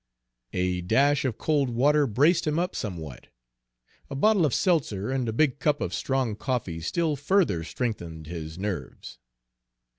A dash of cold water braced him up somewhat. A bottle of seltzer and a big cup of strong coffee still further strengthened his nerves.